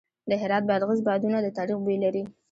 د هرات بادغیس بادونه د تاریخ بوی لري.